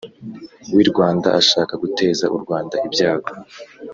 wirwanda ashaka guteza urwanda ibyago